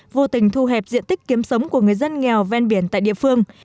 vô tình thu hẹp diện tích kiếm sống của người dân nghèo ven biển tại địa phương